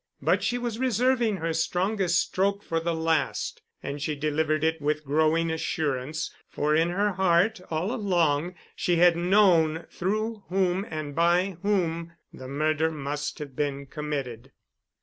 But she was reserving her strongest stroke for the last and she delivered it with growing assurance, for in her heart all along she had known through whom and by whom the murder must have been committed.